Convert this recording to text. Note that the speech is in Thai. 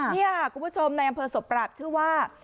นี่ค่ะคุณผู้ชมในอำเภอศพปราบชื่อว่า